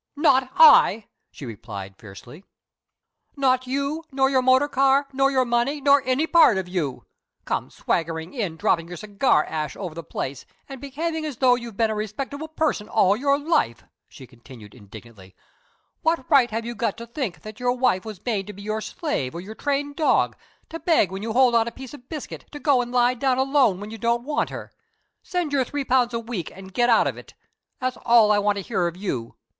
"Not I!" she replied, fiercely. "Not you nor your motor car nor your money nor any part of you. Come swaggering in, dropping your cigar ash over the place, and behaving as though you'd been a respectable person all your life!" she continued, indignantly. "What right have you got to think that your wife was made to be your slave or your trained dog, to beg when you hold out a piece of biscuit, and go and lie down alone when you don't want her. Send your three pounds a week and get out of it. That's all I want to hear of you!